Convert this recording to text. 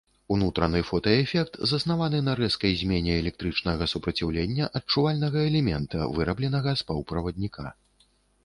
Унутраны фотаэфект заснаваны на рэзкай змене электрычнага супраціўлення адчувальнага элемента, вырабленага з паўправадніка.